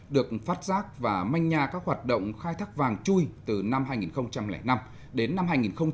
được phát giác và manh nha các hoạt động khai thác vàng chui từ năm hai nghìn năm đến năm hai nghìn một mươi